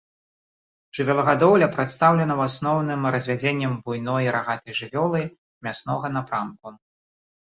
Жывёлагадоўля прадстаўлена ў асноўным развядзеннем буйной рагатай жывёлы мяснога напрамку.